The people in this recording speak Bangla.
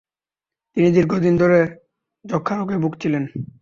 তিনি দীর্ঘদিন ধরে যক্ষা রোগে ভুগছিলেন।